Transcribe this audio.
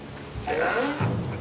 ああ！